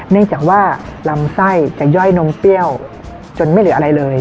เนื่องจากว่าลำไส้จะย่อยนมเปรี้ยวจนไม่เหลืออะไรเลย